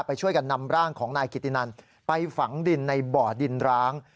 ช่วยกันนำร่างของนายกิตินันไปฝังดินในบ่อดินร้าง